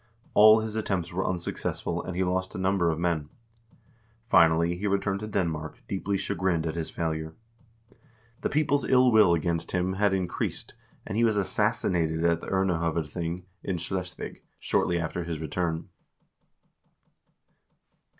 All his attempts were unsuccessful, and he lost a number of men. Finally he returned to Denmark, deeply chagrined at his failure. The people's ill will against him had in creased, and he was assassinated at the Urnehovedthing, in Schleswig, shortly after his return.